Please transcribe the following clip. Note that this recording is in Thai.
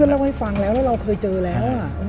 เล่าให้ฟังแล้วแล้วเราเคยเจอแล้ว